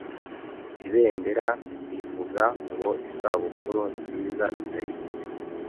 Ibendera rivuga ngo Isabukuru nziza, Rutayisire.